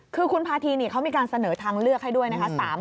คือคุณพาธีเขามีการเสนอทางเลือกให้ด้วยนะคะ